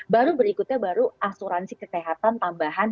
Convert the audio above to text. baru berikutnya baru asuransi kesehatan tambahan